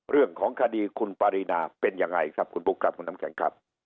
เรื่องของคดีคุณปารีนาเป็นยังไงครับคุณบุ๊คครับคุณน้ำแข็งครับ